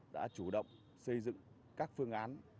đã chủ động xây dựng các phương án